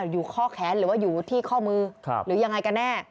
อยู่ข้อแขนหรือว่าอยู่ที่ข้อมือหรือยังไงกันแน่